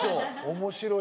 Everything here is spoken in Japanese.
面白い。